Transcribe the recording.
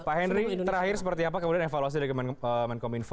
pak henry terakhir seperti apa kemudian evaluasi dari menkom info